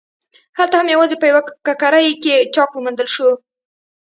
هلته هم یوازې په یوه ککرۍ کې چاک وموندل شو.